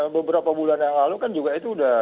beberapa bulan yang lalu kan juga itu sudah diselamatkan